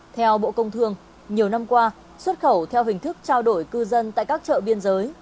theo bộ công thương nhiều năm qua xuất khẩu theo hình thức trao đổi cư dân tại các chợ biên giới